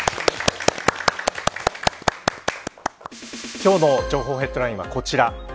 今日の情報ヘッドラインはこちら。